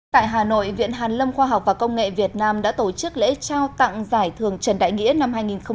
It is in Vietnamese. tại hà nội viện hàn lâm khoa học và công nghệ việt nam đã tổ chức lễ trao tặng giải thưởng trần đại nghĩa năm hai nghìn một mươi chín